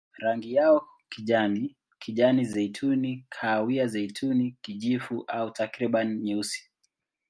Rangi yao kijani, kijani-zeituni, kahawia-zeituni, kijivu au takriban nyeusi.